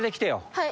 はい。